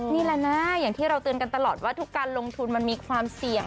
นี่แหละนะอย่างที่เราเตือนกันตลอดว่าทุกการลงทุนมันมีความเสี่ยง